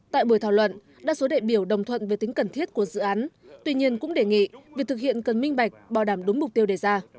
tại buổi thảo luận đa số đại biểu đồng thuận về tính cần thiết của dự án tuy nhiên cũng đề nghị việc thực hiện cần minh bạch bảo đảm đúng mục tiêu đề ra